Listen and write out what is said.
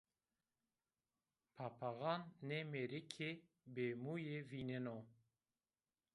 Papaxan nê mêrikê bêmuyî vîneno